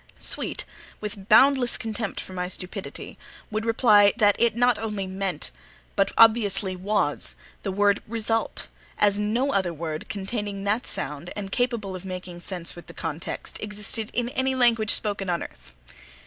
Sweet, with boundless contempt for my stupidity, would reply that it not only meant but obviously was the word Result, as no other Word containing that sound, and capable of making sense with the context, existed in any language spoken on earth.